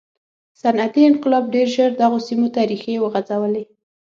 صنعتي انقلاب ډېر ژر دغو سیمو ته ریښې وغځولې.